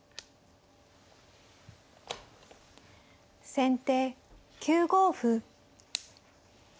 先手９五歩。